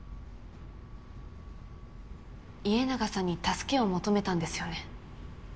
家長さんに助けを求めたんですよね？